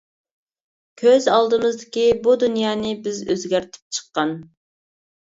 كۆز ئالدىمىزدىكى بۇ دۇنيانى بىز ئۆزگەرتىپ چىققان.